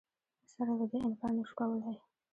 سره له دې انکار نه شو کولای